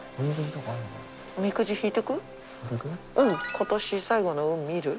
今年最後の運見る？